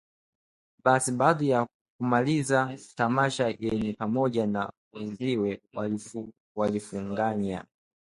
Basi baada ya kumaliza tamasha yeye pamoja na wenziwe walifunganya